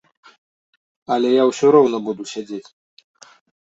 Але я ўсё роўна буду сядзець.